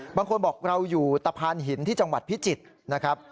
บางคนบอกเราอยู่ตะพานหินที่จังหวัดพิจิตรนะครับ